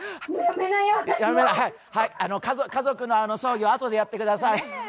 家族の争議、あとでやってください。